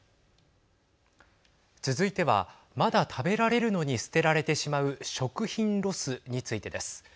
続いてはまだ食べられるのに捨てられてしまう食品ロスについてです。